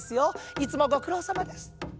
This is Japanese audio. いつもごくろうさまです。